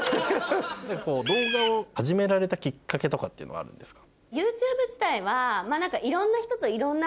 動画を始められたきっかけとかっていうのはあるんですか？